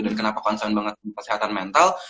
dan kenapa concern banget tentang kesehatan mental